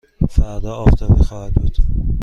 فردا آفتابی خواهد بود.